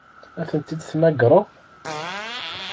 Ad tent-id-temmagreḍ?